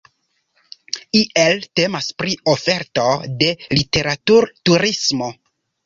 Iel temas pri oferto de literaturturismo.